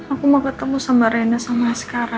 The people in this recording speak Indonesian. aku mau ketemu sama rena sama sekarang